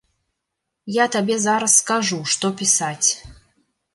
Я табе зараз скажу, што пісаць.